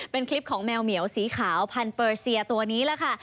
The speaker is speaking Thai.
เป็นคลิปของแมวเหมียวสีขาวพันเปอร์เซียตัวนี้แหละค่ะ